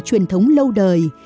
truyền thống lâu đời